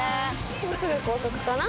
もうすぐ高速かな？